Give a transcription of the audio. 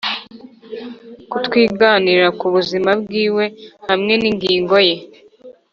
kutwiganira ku buzima bwiwe hamwe n'ingingoye